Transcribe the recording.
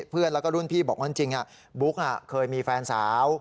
เพื่อนแล้วก็รุ่นพี่บอกว่าจริงบุ๊กเคยมีแฟนสาว